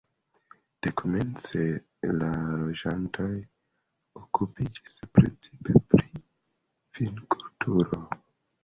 Dekomence la loĝantoj okupiĝis precipe pri vinkulturo.